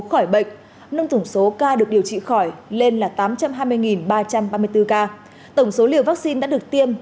khỏi bệnh nâng tổng số ca được điều trị khỏi lên là tám trăm hai mươi ba trăm ba mươi bốn ca tổng số liều vaccine đã được tiêm